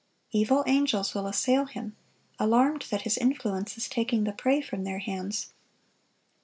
Evil angels will assail him, alarmed that his influence is taking the prey from their hands.